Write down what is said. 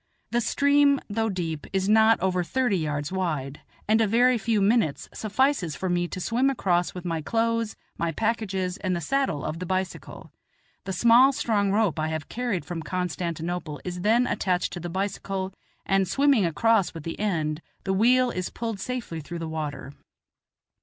The stream, though deep, is not over thirty yards wide, and a very few minutes suffices for me to swim across with my clothes, my packages, and the saddle of the bicycle; the small, strong rope I have carried from Constantinople is then attached to the bicycle, and, swimming across with the end, the wheel is pulled safely through the water.